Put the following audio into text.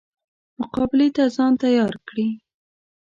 مقابلې ته ځان تیار کړي.